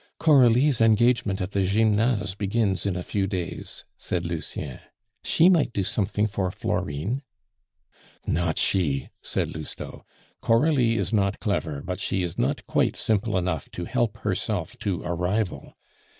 "Coralie's engagement at the Gymnase begins in a few days," said Lucien; "she might do something for Florine." "Not she!" said Lousteau. "Coralie is not clever, but she is not quite simple enough to help herself to a rival.